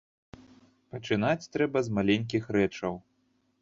Пачынаць трэба з маленькіх рэчаў.